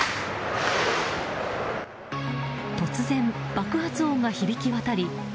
突然、爆発音が響き渡り